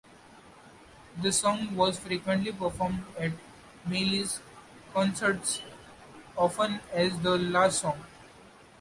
The song was frequently performed at Marley's concerts, often as the last song.